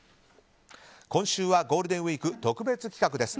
今週はゴールデンウィーク特別企画です。